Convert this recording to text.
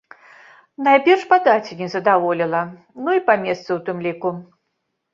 Найперш па даце не задаволіла, ну і па месцы ў тым ліку.